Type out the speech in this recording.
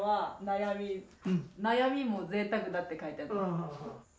「悩みも贅沢だ」って書いてある。